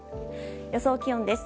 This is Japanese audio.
予想気温です。